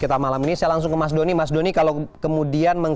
kalau mau memang betul betul clear